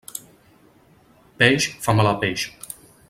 Peix fa mal a peix.